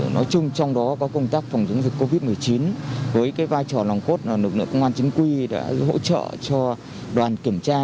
nói chung trong đó có công tác phòng chống dịch covid một mươi chín với vai trò nòng cốt lực lượng công an chính quy đã hỗ trợ cho đoàn kiểm tra